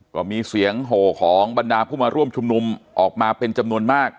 ก็มีเสียงโหของบรรดาผู้มาร่วมชุมนุมออกมาเป็นจำนวนมาก